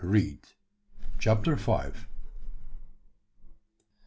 CHAPTER FIVE.